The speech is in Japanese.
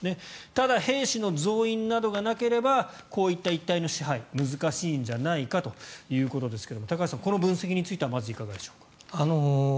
ただ、兵士の増員などがなければこういった一帯の支配は難しいんじゃないかということですが高橋さん、この分析についてはまず、いかがでしょうか。